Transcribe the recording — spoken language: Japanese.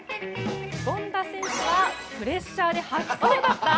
権田選手はプレッシャーで吐きそうだった。